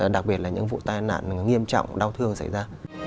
đặc biệt là những vụ tai nạn nghiêm trọng đau thương xảy ra